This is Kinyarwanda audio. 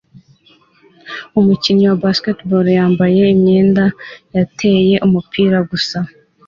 Umukinnyi wa baseball wambaye imyenda yateye umupira gusa